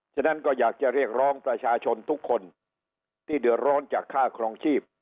ฉะนั้นก็อยากจะเรียกร้องประชาชนทุกคนที่เดือดร้อนจากค่าครองชีพ